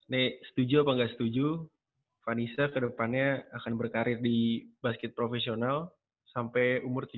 nih setuju apa nggak setuju vanisa kedepannya akan berkarir di basket profesional sampai umur tiga puluh tahun